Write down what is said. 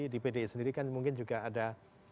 di pdi sendiri kan mungkin juga ada